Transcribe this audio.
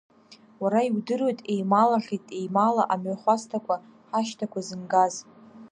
Уара иудыруеит, еималахьеит, еимала, амҩахәасҭақәа, ҳашьҭақәа зынгаз.